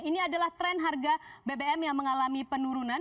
ini adalah tren harga bbm yang mengalami penurunan